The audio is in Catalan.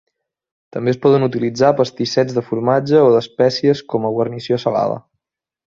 També es poden utilitzar pastissets de formatge o d'espècies com a guarnició salada.